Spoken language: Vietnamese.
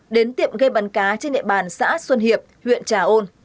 đến tiệm ga bắn cá trên địa bàn xã xuân hiệp huyện trà ôn